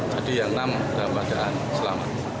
jadi yang enam dalam keadaan selamat